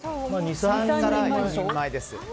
３から４人前です。